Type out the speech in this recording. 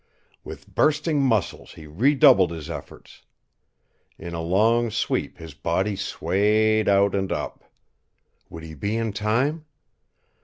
With bursting muscles he redoubled his efforts. In a long sweep his body swayed out and up. Would he be in time?